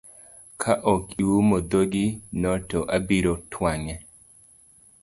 Ka ok iumo dhogi no to abiro twang'e.